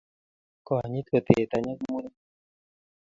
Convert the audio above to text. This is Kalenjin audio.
Konyit ko tee tany ak muren